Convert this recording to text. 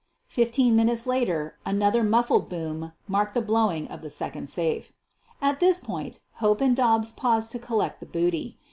Fifteen minutes later another muffled boom marked the blowing of the second safe. At this point Hope and Dobbs paused to collect the booty.